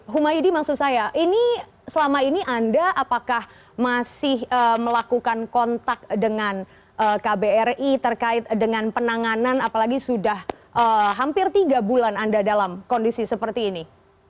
humaydi maksud saya ini selama ini anda apakah masih melakukan kontak dengan kbri terkait dengan penanganan apalagi sudah hampir tiga bulan anda dalam kondisi seperti ini